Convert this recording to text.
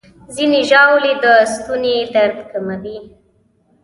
ځینې ژاولې د ستوني درد کموي.